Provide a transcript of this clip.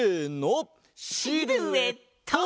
シルエット！